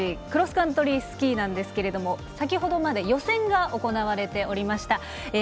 クロスカントリースキーですが先ほどまで予選が行われておりました。